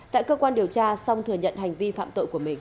tại cơ quan điều tra song thừa nhận hành vi phạm tội của mình